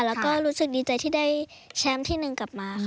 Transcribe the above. แล้วก็รู้สึกดีใจที่ได้แชมป์ที่หนึ่งกลับมาค่ะ